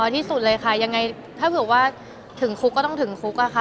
ที่สุดเลยค่ะยังไงถ้าเผื่อว่าถึงคุกก็ต้องถึงคุกอะค่ะ